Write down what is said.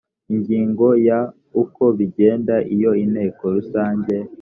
ingingo ya uko bigenda iyo inteko rusange